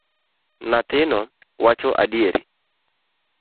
Nyathino wacho adieri.